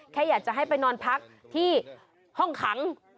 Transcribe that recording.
แค่อยากจะให้ไปนอนพักที่ห้องขัง